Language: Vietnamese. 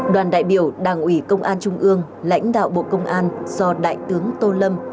đoàn đại biểu đảng ủy công an trung ương lãnh đạo bộ công an do đại tướng tô lâm